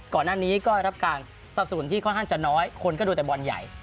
ก่อนหน้านี้ก็ได้รับการสับสนุนที่ค่อนข้างจะน้อยคนก็ดูแต่บอลใหญ่